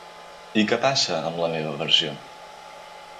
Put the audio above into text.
I què passa amb la meva versió?